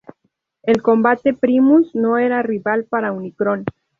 En combate, Primus no era rival para Unicron.